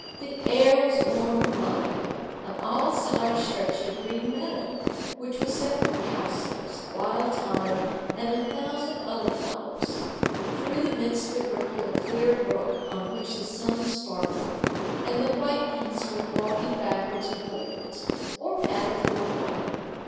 The air was warm and mild; on all sides stretched a green meadow, which was set with cowslips, wild thyme, and a thousand other flowers; through the midst of it rippled a clear brook on which the sun sparkled, and the white geese went walking backwards and forwards, or paddled in the water.